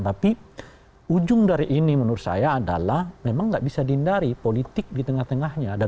tapi ujung dari ini menurut saya adalah memang nggak bisa dihindari politik di tengah tengahnya